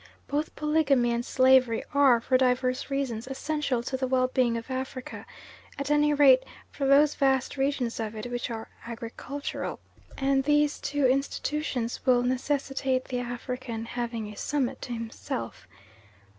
Both polygamy and slavery are, for divers reasons, essential to the well being of Africa at any rate for those vast regions of it which are agricultural, and these two institutions will necessitate the African having a summit to himself.